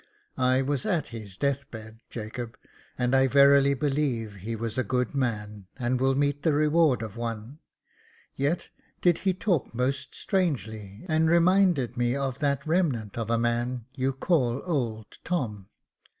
I was at his Jacob Faithful 387 death bed, Jacob; and I verily believe he was a good man, and will meet the reward of one , yet, did he talk most strangely, and reminded me of that remnant of a man you call old Tom.